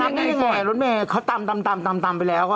นับนี่ยังไงลดดาวน์เขาตามไปแล้ว